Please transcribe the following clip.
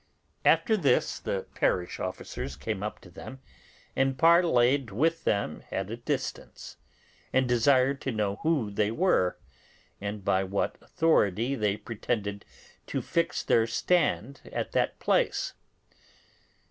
After this the parish officers came up to them and parleyed with them at a distance, and desired to know who they were, and by what authority they pretended to fix their stand at that place.